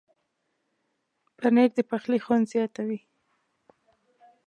پنېر د پخلي خوند زیاتوي.